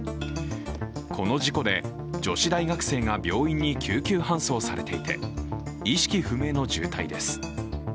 この事故で、女子大学生が病院に救急搬送されていて意識不明の重体です。